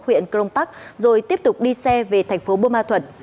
huyện crong park rồi tiếp tục đi xe về thành phố buôn ma thuật